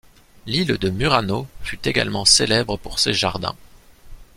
L'île de Murano fut également célèbre pour ses jardins.